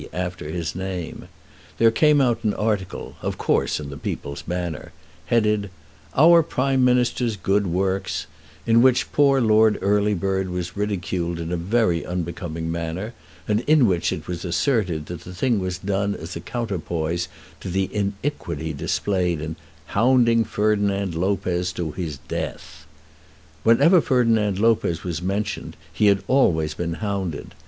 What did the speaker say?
after his name. There came out an article, of course in the "People's Banner," headed, "Our Prime Minister's Good Works," in which poor Lord Earlybird was ridiculed in a very unbecoming manner, and in which it was asserted that the thing was done as a counterpoise to the iniquity displayed in "hounding Ferdinand Lopez to his death." Whenever Ferdinand Lopez was mentioned he had always been hounded.